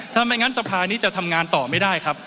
ถ้าไม่งั้นสภานี้จะทำงานต่อไม่ได้ครับ